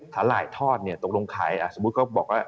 สาหร่ายทอดตกลงขายสมมุติเขาบอกว่า